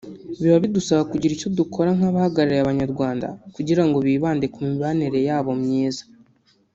biba bidusaba kugira icyo dukora nk’abahagarariye Abanyarwanda kugira ngo bibande ku mibanire yabo myiza